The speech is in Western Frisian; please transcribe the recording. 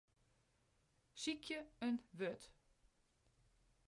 Sykje in wurd.